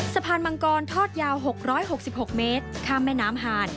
สะพานมังกรทอดยาว๖๖๖เมตรคามแม่น้ำห่าน